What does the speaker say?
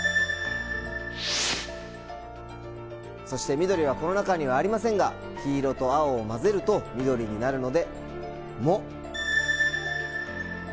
みどりはこの中にありませんが、黄色と青を混ぜるとみどりになるのでモ。